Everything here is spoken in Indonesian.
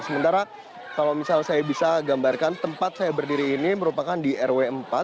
sementara kalau misal saya bisa gambarkan tempat saya berdiri ini merupakan di rw empat